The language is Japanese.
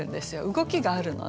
動きがあるのね。